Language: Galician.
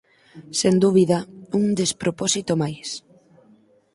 Sen dúbida, un despropósito máis.